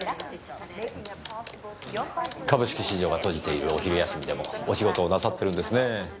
株式市場が閉じているお昼休みでもお仕事をなさってるんですねぇ。